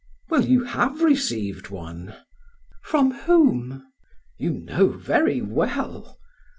"Well, you have received one!" "From whom?" "You know very well."